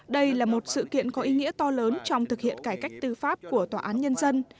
đây là một sự kiện có ý nghĩa to lớn trong thực hiện cải cách tư pháp của tòa án nhân dân